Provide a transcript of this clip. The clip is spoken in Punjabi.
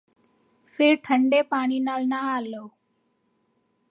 ਫਿਰ ਠੰਡੇ ਪਾਣੀ ਨਾਲ ਨਹਾ ਲਓ